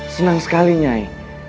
senang sekali nyai